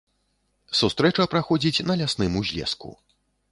Сустрэча праходзіць на лясным узлеску.